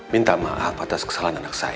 minta maaf atas kesalahan anak saya